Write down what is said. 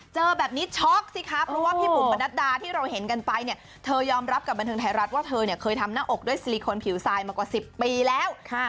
เจอแบบนี้ช็อกสิคะเพราะว่าพี่บุ๋มประนัดดาที่เราเห็นกันไปเนี่ยเธอยอมรับกับบันเทิงไทยรัฐว่าเธอเนี่ยเคยทำหน้าอกด้วยซิลิโคนผิวทรายมากว่า๑๐ปีแล้ว